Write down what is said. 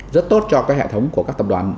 rất tốt cho cái hệ thống của các tập đoàn